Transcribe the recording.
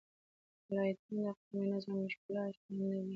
ولایتونه د اقلیمي نظام یو ښه ښکارندوی دی.